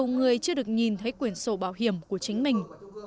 người chưa được nhìn thấy quyền sổ bảo hiểm của chính mình